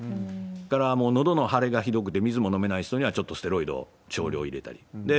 それからのどの腫れがひどくて水も飲めない人には、ちょっとステロイド、少量入れたり。